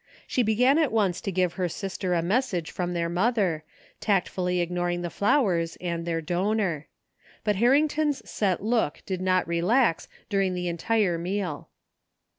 She began at once to give her sister a message from their mother, tactfully ignoring the flowers and their donor. But Harrington's set look did not relax during the entire meal.